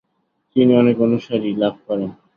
তিনি অনেক অনুসারী লাভ করেন।